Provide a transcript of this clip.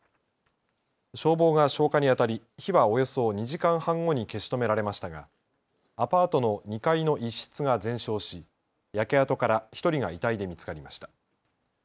消防が消火にあたり火はおよそ２時間半後に消し止められましたが、アパートの２階の一室が全焼し焼け跡から１人が遺体で見つかりました。